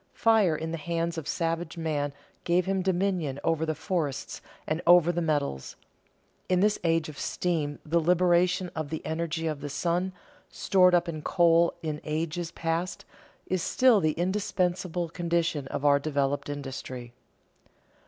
Fire in the hands of savage man gave him dominion over the forests and over the metals. In this age of steam the liberation of the energy of the sun, stored up in coal in ages past, is still the indispensable condition of our developed industry.